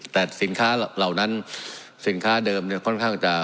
แต่สินค้าเหล่านั้นสินค้าเดิมเนี่ยค่อนข้างจะ